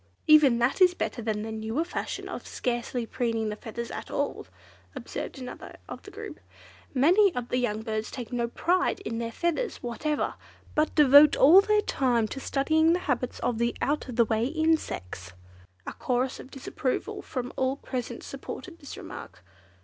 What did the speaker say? "Even that is better than the newer fashion of scarcely preening the feathers at all," observed another of the group. "Many of the young birds take no pride in their feathers whatever, but devote all their time to studying the habits of out of the way insects." A chorus of disapproval from all present supported this remark.